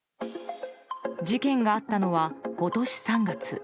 事件があったのは今年３月。